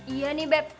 iya nih beb